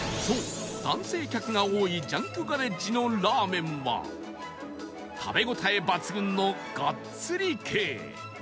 そう男性客が多いジャンクガレッジのラーメンは食べ応え抜群のガッツリ系